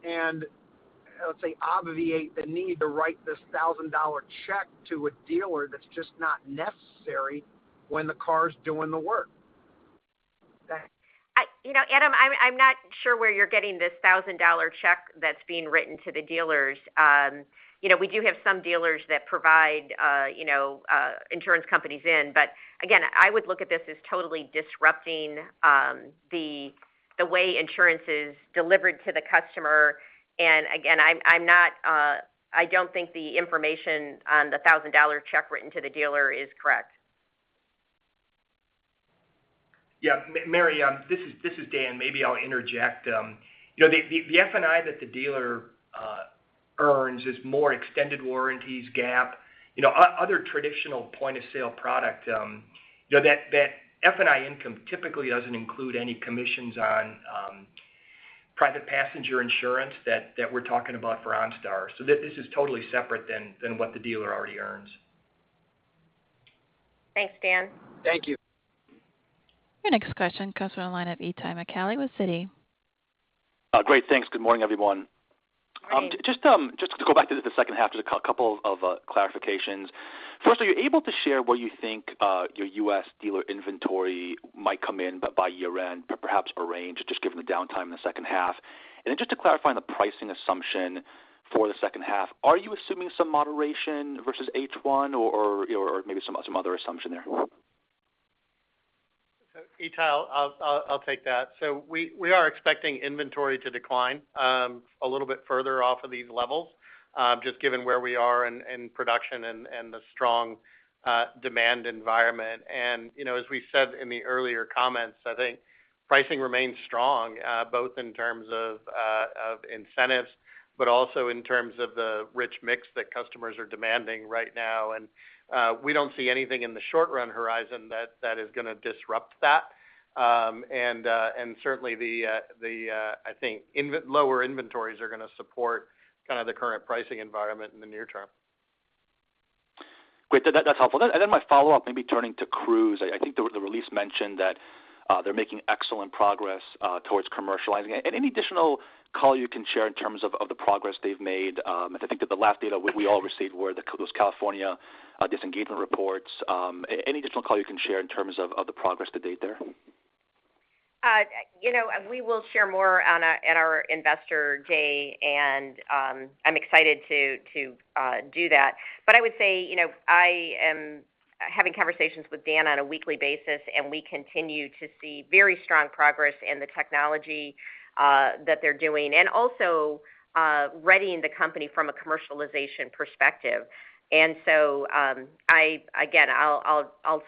and, let's say, obviate the need to write this $1,000 check to a dealer that's just not necessary when the car's doing the work. Thanks. Adam, I'm not sure where you're getting this $1,000 check that's being written to the dealers. We do have some dealers that provide insurance companies in, again, I would look at this as totally disrupting the way insurance is delivered to the customer. Again, I don't think the information on the $1,000 check written to the dealer is correct. Yeah. Mary, this is Dan. Maybe I'll interject. The F&I that the dealer earns is more extended warranties, GAP, other traditional point-of-sale product. That F&I income typically doesn't include any commissions on private passenger insurance that we're talking about for OnStar. This is totally separate than what the dealer already earns. Thanks, Dan. Thank you. Your next question comes from the line of Itay Michaeli with Citi. Great. Thanks. Good morning, everyone. Morning. Just to go back to the second half, just a couple of clarifications. First, are you able to share where you think your U.S. dealer inventory might come in by year-end, perhaps a range, just given the downtime in the second half? Just to clarify on the pricing assumption for the second half, are you assuming some moderation versus H1 or maybe some other assumption there? Itay, I'll take that. We are expecting inventory to decline a little bit further off of these levels, just given where we are in production and the strong demand environment. As we said in the earlier comments, I think pricing remains strong both in terms of incentives, but also in terms of the rich mix that customers are demanding right now. We don't see anything in the short-run horizon that is going to disrupt that. Certainly the, I think, lower inventories are going to support kind of the current pricing environment in the near term. Great. That's helpful. My follow-up, maybe turning to Cruise. I think the release mentioned that they're making excellent progress towards commercializing. Any additional color you can share in terms of the progress they've made? I think that the last data we all received were those California disengagement reports. Any additional color you can share in terms of the progress to date there? We will share more at our Investor Day, and I'm excited to do that. I would say, I am having conversations with Dan on a weekly basis, and we continue to see very strong progress in the technology that they're doing, and also readying the company from a commercialization perspective. Again, I'll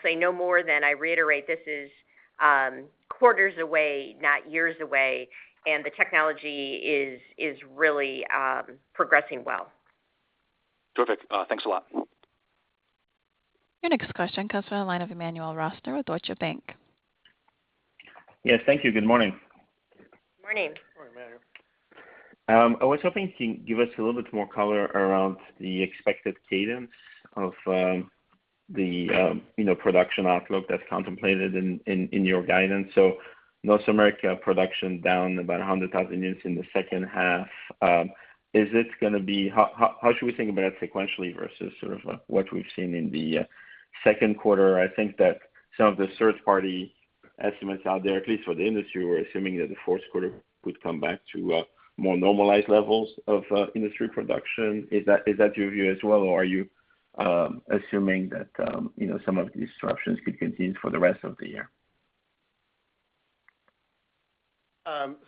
say no more than I reiterate, this is quarters away, not years away, and the technology is really progressing well. Perfect. Thanks a lot. Your next question comes from the line of Emmanuel Rosner with Deutsche Bank. Yes, thank you. Good morning. Morning. Morning, Emmanuel. I was hoping you can give us a little bit more color around the expected cadence of the production outlook that's contemplated in your guidance? North America production down about 100,000 units in the second half. How should we think about it sequentially versus what we've seen in the second quarter? I think that some of the third-party estimates out there, at least for the industry, were assuming that the fourth quarter would come back to more normalized levels of industry production. Is that your view as well, or are you assuming that some of the disruptions could continue for the rest of the year?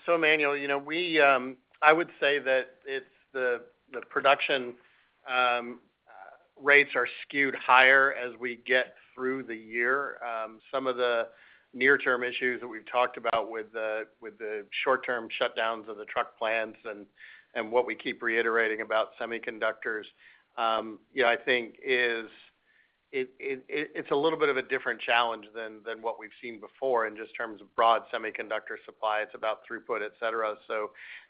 Emmanuel, I would say that the production rates are skewed higher as we get through the year. Some of the near-term issues that we've talked about with the short-term shutdowns of the truck plants and what we keep reiterating about semiconductors, I think it's a little bit of a different challenge than what we've seen before in just terms of broad semiconductor supply. It's about throughput, et cetera.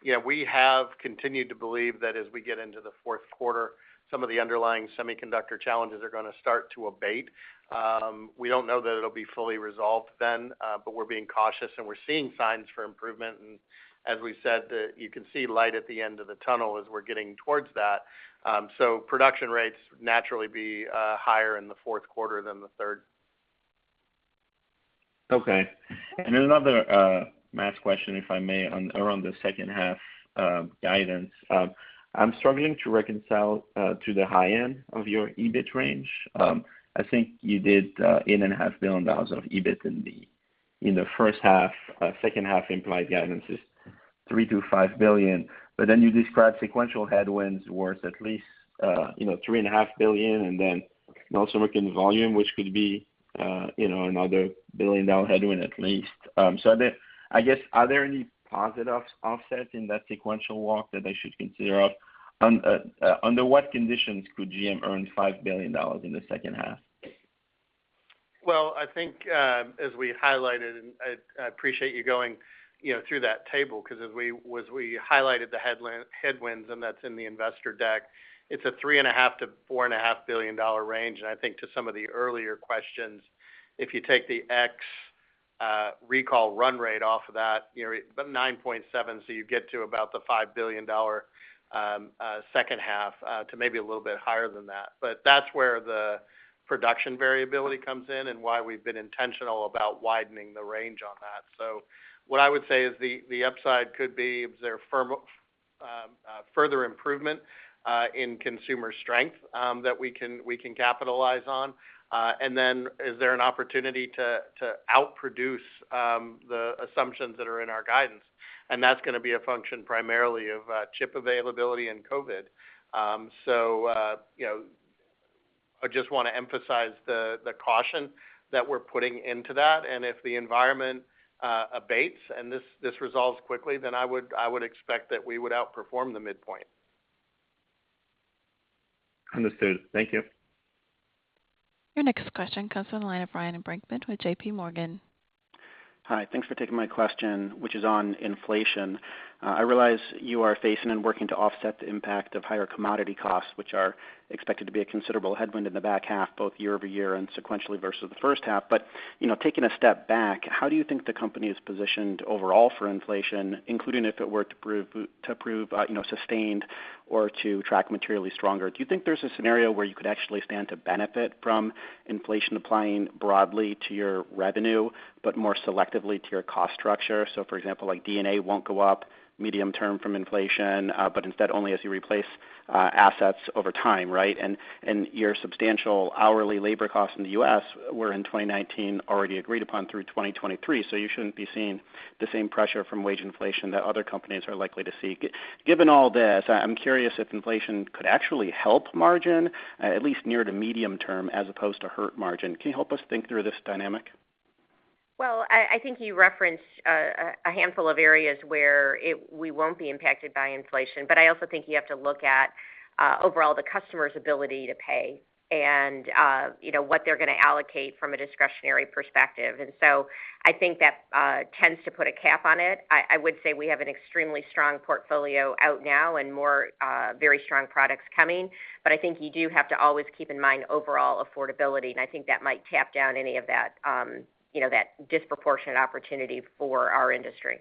Yeah, we have continued to believe that as we get into the fourth quarter, some of the underlying semiconductor challenges are going to start to abate. We don't know that it'll be fully resolved then, but we're being cautious, and we're seeing signs for improvement. As we said, you can see light at the end of the tunnel as we're getting towards that. Production rates naturally be higher in the fourth quarter than the third. Okay. Another last question, if I may, around the second half guidance. I am struggling to reconcile to the high end of your EBIT range. I think you did $8.5 billion of EBIT in the first half. Second half implied guidance is $3 billion-$5 billion. You described sequential headwinds worth at least $3.5 billion, and North American volume, which could be another $1 billion headwind, at least. I guess, are there any positive offsets in that sequential walk that I should consider of? Under what conditions could GM earn $5 billion in the second half? Well, I think, as we highlighted, and I appreciate you going through that table, because as we highlighted the headwinds, and that's in the investor deck, it's a $3.5 billion-$4.5 billion range. I think to some of the earlier questions, if you take the ex recall run rate off of that, about 9.7, so you get to about the $5 billion second half to maybe a little bit higher than that. That's where the production variability comes in and why we've been intentional about widening the range on that. What I would say is the upside could be, is there further improvement in consumer strength that we can capitalize on? Then is there an opportunity to outproduce the assumptions that are in our guidance? That's going to be a function primarily of chip availability and COVID. I just want to emphasize the caution that we're putting into that, and if the environment abates and this resolves quickly, then I would expect that we would outperform the midpoint. Understood. Thank you. Your next question comes from the line of Ryan Brinkman with JPMorgan. Hi. Thanks for taking my question, which is on inflation. I realize you are facing and working to offset the impact of higher commodity costs, which are expected to be a considerable headwind in the back half, both year-over-year and sequentially versus the first half. Taking a step back, how do you think the company is positioned overall for inflation, including if it were to prove sustained or to track materially stronger? Do you think there's a scenario where you could actually stand to benefit from inflation applying broadly to your revenue, but more selectively to your cost structure? For example, like D&A won't go up medium term from inflation, but instead only as you replace assets over time, right? Your substantial hourly labor costs in the U.S. were in 2019 already agreed upon through 2023. You shouldn't be seeing the same pressure from wage inflation that other companies are likely to see. Given all this, I'm curious if inflation could actually help margin, at least near to medium term, as opposed to hurt margin. Can you help us think through this dynamic? I think you referenced a handful of areas where we won't be impacted by inflation, but I also think you have to look at overall the customer's ability to pay and what they're going to allocate from a discretionary perspective. I think that tends to put a cap on it. I would say we have an extremely strong portfolio out now and more very strong products coming. I think you do have to always keep in mind overall affordability, and I think that might tap down any of that disproportionate opportunity for our industry.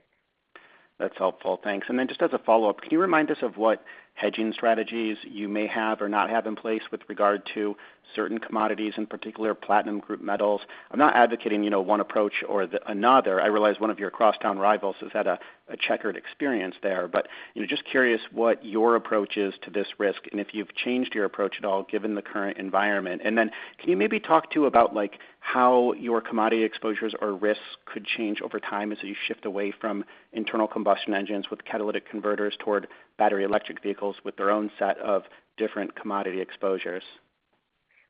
That's helpful. Thanks. Then just as a follow-up, can you remind us of what hedging strategies you may have or not have in place with regard to certain commodities, in particular platinum group metals? I'm not advocating one approach or another. I realize one of your crosstown rivals has had a checkered experience there, but just curious what your approach is to this risk, and if you've changed your approach at all given the current environment. Then can you maybe talk too about how your commodity exposures or risks could change over time as you shift away from internal combustion engines with catalytic converters toward battery electric vehicles with their own set of different commodity exposures?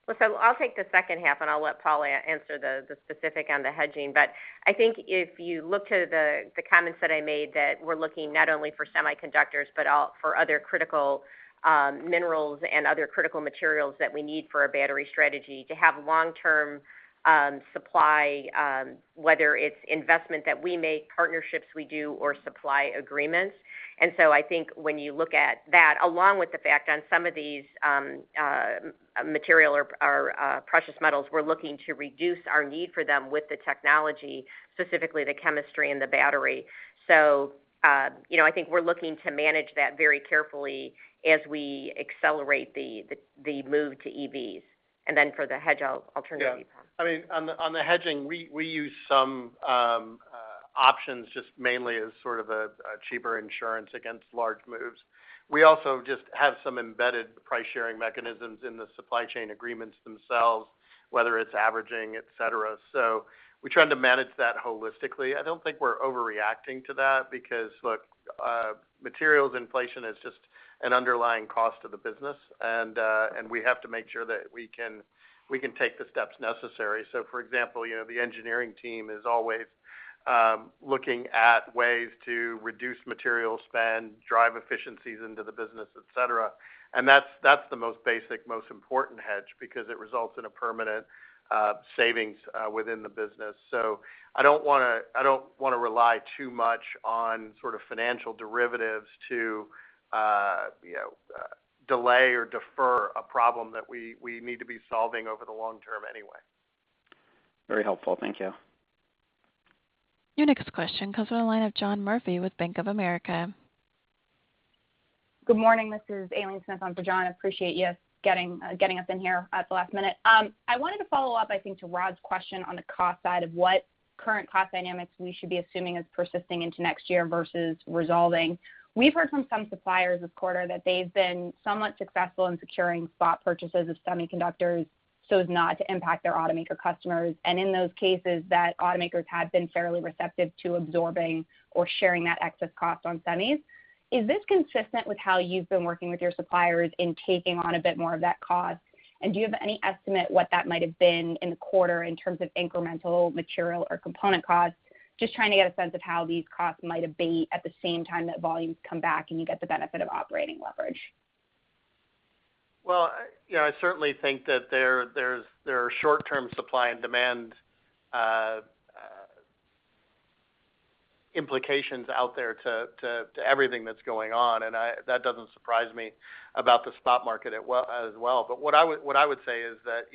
I'll take the second half, and I'll let Paul answer the specific on the hedging. I think if you look to the comments that I made, that we're looking not only for semiconductors, but for other critical minerals and other critical materials that we need for a battery strategy to have long-term supply, whether it's investment that we make, partnerships we do, or supply agreements. I think when you look at that, along with the fact on some of these material or precious metals, we're looking to reduce our need for them with the technology, specifically the chemistry and the battery. I think we're looking to manage that very carefully as we accelerate the move to EVs. For the hedge, I'll turn it over to you, Paul. Yeah. On the hedging, we use some options just mainly as sort of a cheaper insurance against large moves. We also just have some embedded price-sharing mechanisms in the supply chain agreements themselves, whether it's averaging, et cetera. We try to manage that holistically. I don't think we're overreacting to that because, look, materials inflation is just an underlying cost of the business, and we have to make sure that we can take the steps necessary. For example, the engineering team is always looking at ways to reduce material spend, drive efficiencies into the business, et cetera. That's the most basic, most important hedge because it results in a permanent savings within the business. I don't want to rely too much on financial derivatives to delay or defer a problem that we need to be solving over the long term anyway. Very helpful. Thank you. Your next question comes from the line of John Murphy with Bank of America. Good morning. This is Aileen Smith on for John. Appreciate you getting us in here at the last minute. I wanted to follow up, I think, to Rod's question on the cost side of what current cost dynamics we should be assuming as persisting into next year versus resolving. We've heard from some suppliers this quarter that they've been somewhat successful in securing spot purchases of semiconductors so as not to impact their automaker customers. In those cases that automakers have been fairly receptive to absorbing or sharing that excess cost on semis. Is this consistent with how you've been working with your suppliers in taking on a bit more of that cost? Do you have any estimate what that might have been in the quarter in terms of incremental material or component costs? Just trying to get a sense of how these costs might abate at the same time that volumes come back and you get the benefit of operating leverage. Well, I certainly think that there are short-term supply and demand implications out there to everything that's going on, and that doesn't surprise me about the spot market as well. What I would say is that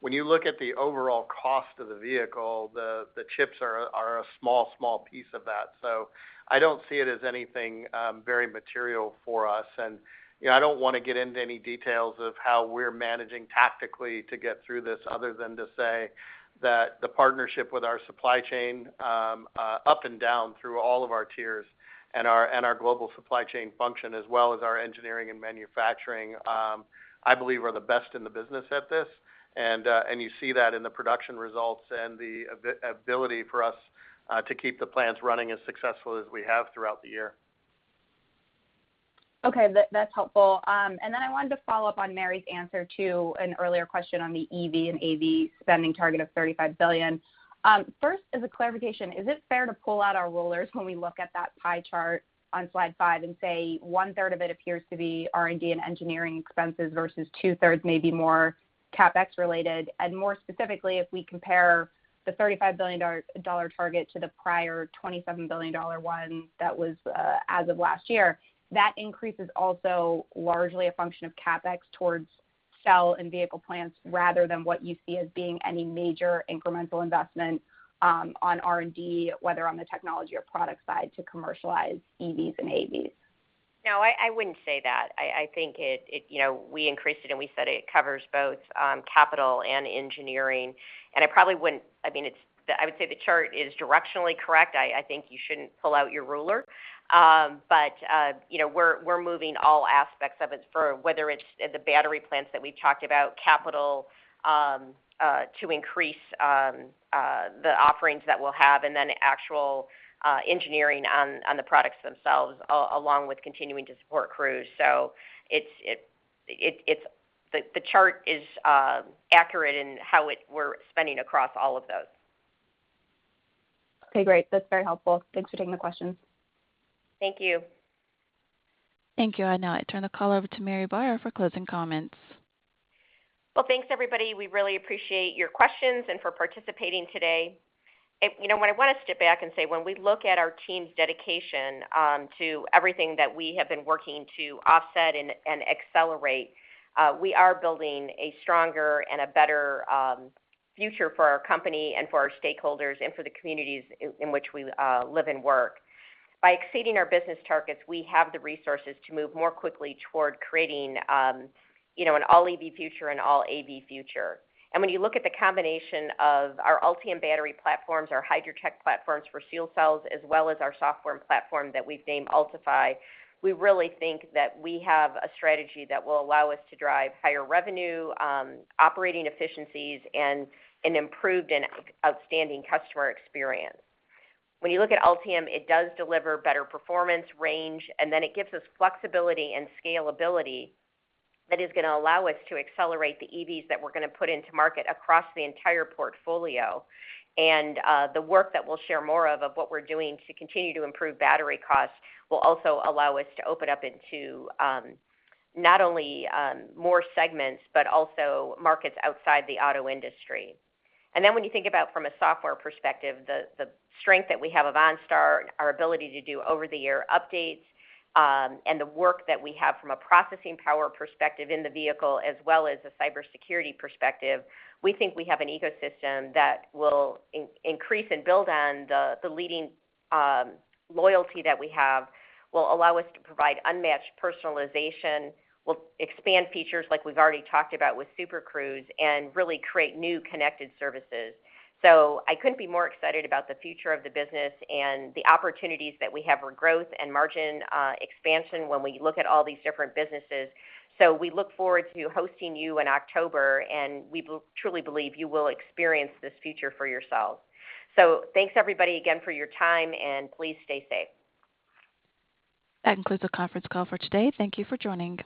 when you look at the overall cost of the vehicle, the chips are a small piece of that. I don't see it as anything very material for us. I don't want to get into any details of how we're managing tactically to get through this other than to say that the partnership with our supply chain up and down through all of our tiers and our global supply chain function as well as our engineering and manufacturing, I believe we're the best in the business at this. You see that in the production results and the ability for us to keep the plants running as successful as we have throughout the year. Okay. That's helpful. I wanted to follow up on Mary's answer to an earlier question on the EV and AV spending target of $35 billion. First, as a clarification, is it fair to pull out our rulers when we look at that pie chart on slide 5 and say one-third of it appears to be R&D and engineering expenses versus two-thirds, maybe more CapEx related? More specifically, if we compare the $35 billion target to the prior $27 billion one that was as of last year, that increase is also largely a function of CapEx towards cell and vehicle plants rather than what you see as being any major incremental investment on R&D, whether on the technology or product side to commercialize EVs and AVs. No, I wouldn't say that. I think we increased it, and we said it covers both capital and engineering. I would say the chart is directionally correct. I think you shouldn't pull out your ruler. We're moving all aspects of it for, whether it's the battery plants that we've talked about, capital to increase the offerings that we'll have, and then actual engineering on the products themselves, along with continuing to support Cruise. The chart is accurate in how we're spending across all of those. Okay, great. That's very helpful. Thanks for taking the questions. Thank you. Thank you. I now turn the call over to Mary Barra for closing comments. Well, thanks everybody. We really appreciate your questions and for participating today. What I want to step back and say, when we look at our team's dedication to everything that we have been working to offset and accelerate, we are building a stronger and a better future for our company and for our stakeholders and for the communities in which we live and work. By exceeding our business targets, we have the resources to move more quickly toward creating an all-EV future and all AV future. When you look at the combination of our Ultium battery platforms, our HYDROTEC platforms for fuel cells, as well as our software platform that we've named Ultifi, we really think that we have a strategy that will allow us to drive higher revenue, operating efficiencies, and an improved and outstanding customer experience. When you look at Ultium, it does deliver better performance range, and then it gives us flexibility and scalability that is going to allow us to accelerate the EVs that we're going to put into market across the entire portfolio. The work that we'll share more of what we're doing to continue to improve battery costs will also allow us to open up into not only more segments, but also markets outside the auto industry. When you think about from a software perspective, the strength that we have of OnStar, our ability to do over-the-air updates, and the work that we have from a processing power perspective in the vehicle, as well as a cybersecurity perspective, we think we have an ecosystem that will increase and build on the leading loyalty that we have, will allow us to provide unmatched personalization, will expand features like we've already talked about with Super Cruise and really create new connected services. I couldn't be more excited about the future of the business and the opportunities that we have for growth and margin expansion when we look at all these different businesses. We look forward to hosting you in October, and we truly believe you will experience this future for yourselves. Thanks everybody again for your time, and please stay safe. That concludes the conference call for today. Thank you for joining.